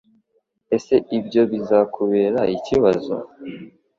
Ese ibyo bizakubera ikibazo